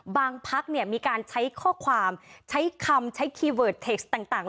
พักเนี่ยมีการใช้ข้อความใช้คำใช้คีย์เวิร์ดเทคสต่าง